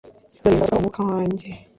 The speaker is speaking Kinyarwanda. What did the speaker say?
Dore nzabasukaho umwuka wanjye,